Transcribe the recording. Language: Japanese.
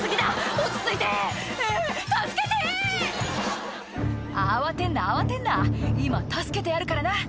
「落ち着いて助けて！」「慌てんな慌てんな今助けてやるからな」